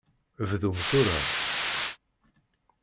Bdum tura!